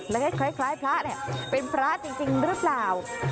และคล้ายพระเนี่ยเป็นพระจริงหรือเปล่า